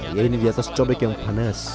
yaitu diatas cobek yang panas